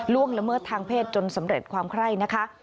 ละเมิดทางเพศจนสำเร็จความไคร้นะคะ